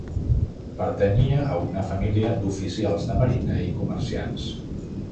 Pertanyia a una família d'Oficials de Marina i Comerciants.